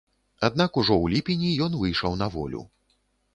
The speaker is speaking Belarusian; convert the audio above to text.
Аднак ужо ў ліпені ён выйшаў на волю.